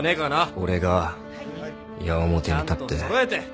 俺が矢面に立って。